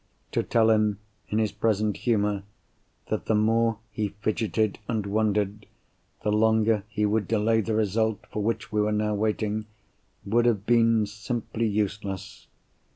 To tell him, in his present humour, that the more he fidgeted and wondered, the longer he would delay the result for which we were now waiting, would have been simply useless.